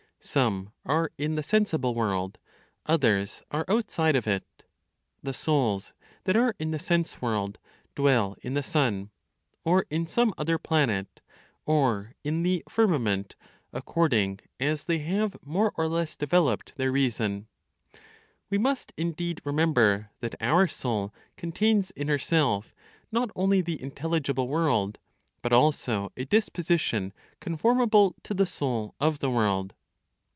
Some are in the sensible world, others are outside of it. The souls that are in the sense world dwell in the sun, or in some other planet, or in the firmament, according as they have more or less developed their reason. We must, indeed, remember that our soul contains in herself not only the intelligible world, but also a disposition conformable to the Soul of the world.